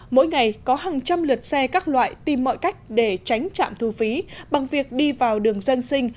mỗi ngày có hàng trăm lượt xe các loại tìm mọi cách để tránh trạm thu phí bằng việc đi vào đường dân sinh